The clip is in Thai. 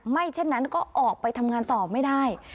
เช่นนั้นก็ออกไปทำงานต่อไม่ได้